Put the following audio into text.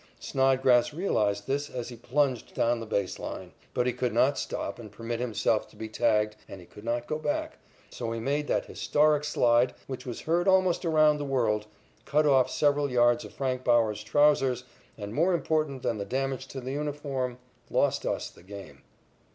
Snodgrass realized this as he plunged down the base line, but he could not stop and permit himself to be tagged and he could not go back, so he made that historic slide which was heard almost around the world, cut off several yards of Frank Baker's trousers, and more important than the damage to the uniform, lost us the game.